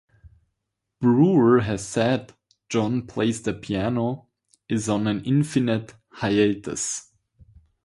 Brewer has said John Plays the Piano is on an "indefinite hiatus".